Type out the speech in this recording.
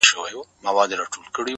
روح مي لا ورک دی، روح یې روان دی،